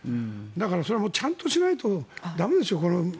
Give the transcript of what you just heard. それはちゃんとしないと駄目ですよ。